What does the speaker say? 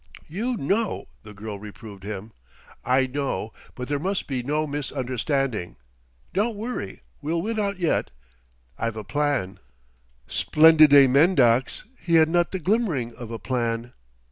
"You know," the girl reproved him. "I know; but there must be no misunderstanding.... Don't worry; we'll win out yet, I've a plan." Splendide mendax! He had not the glimmering of a plan.